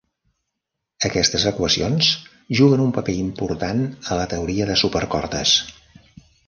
Aquestes equacions juguen un paper important a la teoria de supercordes.